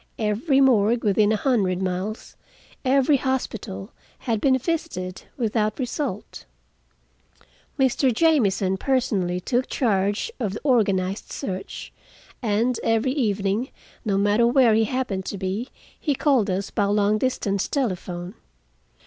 Every morgue within a hundred miles, every hospital, had been visited, without result. Mr. Jamieson, personally, took charge of the organized search, and every evening, no matter where he happened to be, he called us by long distance telephone.